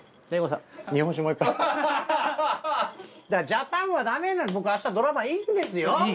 ジャパンはダメなの僕明日ドラマインですよ！